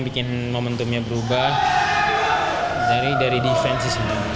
bikin momentumnya berubah dari defensi